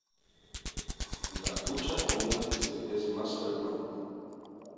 La trucha común es el pez más frecuente.